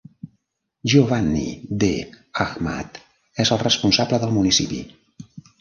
Giovanni D. Ahmad és el responsable del municipi.